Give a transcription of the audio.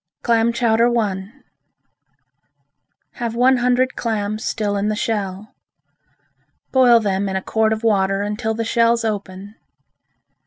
Clam Chowder I Have one hundred clams still in the shell. Boil them in a quart of water until the shells open.